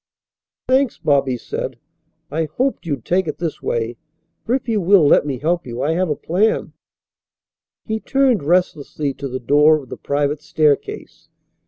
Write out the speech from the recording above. "Thanks," Bobby said. "I hoped you'd take it this way, for, if you will let me help, I have a plan." He turned restlessly to the door of the private staircase.